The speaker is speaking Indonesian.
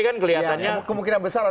jadi nanti ini akan berubah